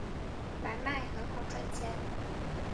买卖很好赚钱